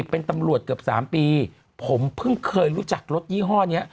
เป็นตำรวจเกือบ๓ปีผมเพิ่งเคยรู้จักรถยี่ห้อนี้